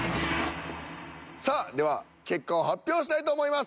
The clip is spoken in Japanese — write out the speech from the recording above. さあでは結果を発表したいと思います。